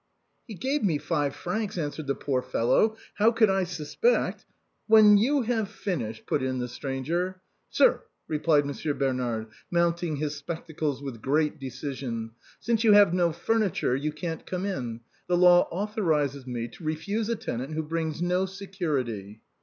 " He gave me five francs arnest" answered the poor fellow ;" how could I suspect —"" When you have finished," put in the stranger —" Sir," replied Monsieur Bernard, mounting his spec tacles with great decision, " since you have no furniture, you can't come in. The law authorizes me to refuse a tenant who brings no security."